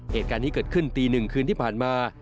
เหตุการณ์นี้เกิดขึ้นตีหนึ่งคืนที่ผ่านมา